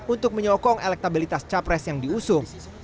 untuk menyokong elektabilitas capres yang diusung